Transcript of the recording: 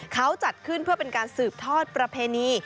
เขาจัดขึ้นเพื่อเป็นการสืบทอดประเพณี